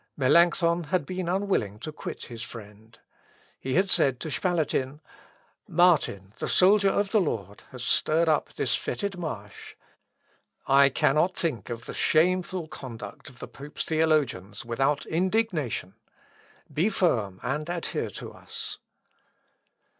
Melancthon had been unwilling to quit his friend. He had said to Spalatin, "Martin, the soldier of the Lord, has stirred up this fetid marsh. I cannot think of the shameful conduct of the pope's theologians without indignation. Be firm, and adhere to us."